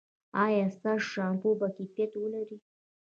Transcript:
ایا ستاسو شامپو به کیفیت ولري؟